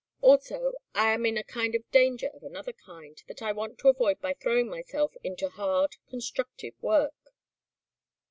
Also I am in a kind of danger of another kind that I want to avoid by throwing myself into hard, constructive work."